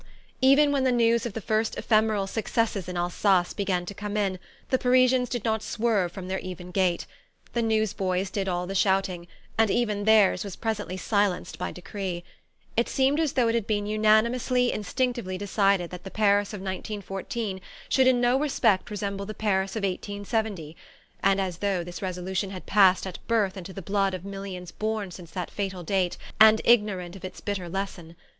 Even when the news of the first ephemeral successes in Alsace began to come in, the Parisians did not swerve from their even gait. The newsboys did all the shouting and even theirs was presently silenced by decree. It seemed as though it had been unanimously, instinctively decided that the Paris of 1914 should in no respect resemble the Paris of 1870, and as though this resolution had passed at birth into the blood of millions born since that fatal date, and ignorant of its bitter lesson.